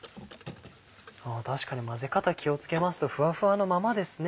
確かに混ぜ方気を付けますとふわふわのままですね。